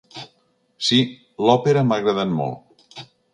Sí, l'òpera m'agrada molt.